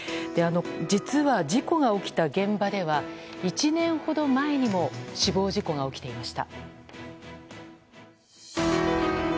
実は、事故が起きた現場では１年ほど前にも死亡事故が起きていました。